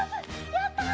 やった！